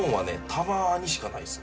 たまにしかないです。